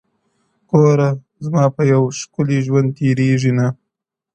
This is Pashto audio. گوره زما په يوې ښـكلي ژوند تــېــــريـــږي نــه ـ